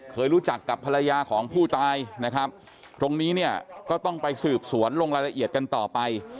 เคยรู้จักกับภรรยาของผู้ตายนะครับตรงนี้เนี่ยก็ต้องไปสืบสวนลงรายละเอียดกันต่อไป